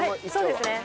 そうですね。